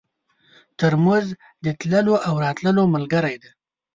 ترموز د تللو او راتلو ملګری دی.